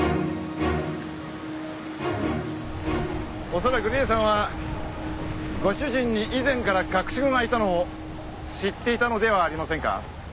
恐らく梨絵さんはご主人に以前から隠し子がいたのを知っていたのではありませんか？